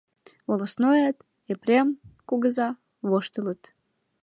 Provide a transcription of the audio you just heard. Волостноят, Епрем кугызат воштылыт.